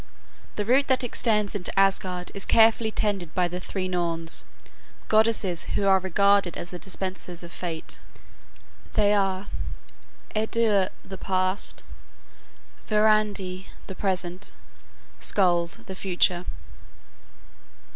The root that extends into Asgard is carefully tended by the three Norns, goddesses, who are regarded as the dispensers of fate. They are Urdur (the past), Verdandi (the present), Skuld (the future).